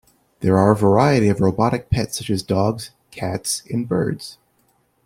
There are a variety of robotic pets such as dogs, cats, and birds.